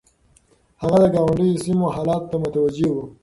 هغه د ګاونډيو سيمو حالاتو ته متوجه و.